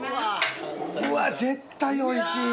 うわ絶対おいしい。